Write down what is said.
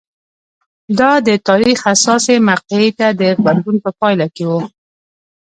دا د تاریخ حساسې مقطعې ته د غبرګون په پایله کې وه